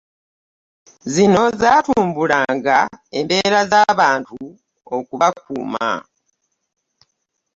Zino zaatumbulanga okutumbula embeera z'abantu okubakuuma